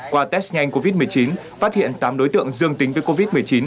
qua test nhanh covid một mươi chín phát hiện tám đối tượng dương tính với covid một mươi chín